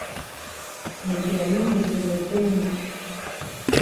Ente yayongezebwa ebbeeyi .